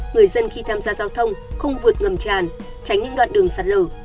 người dân khi tham gia giao thông không vượt ngầm tràn tránh những đoạn đường sạt lở